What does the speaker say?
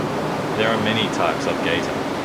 There are many types of Gaita.